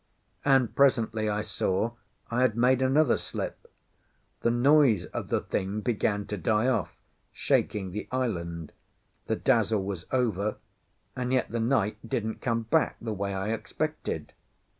And presently I saw I had made another slip. The noise of the thing began to die off, shaking the island; the dazzle was over; and yet the night didn't come back the way I expected.